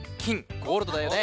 ゴールドだよね。